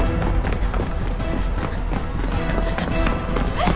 えっ？